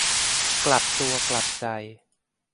กลับตัวกลับใจ